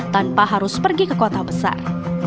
tanpa harus pergi ke kota besar